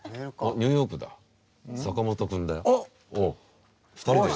ニューヨークへ？